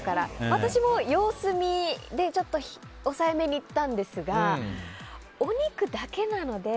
私も様子見で抑えめに行ったんですがお肉だけなので。